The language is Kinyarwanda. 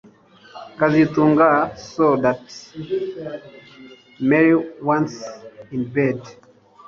kazitunga saw that Mary wasnt in bed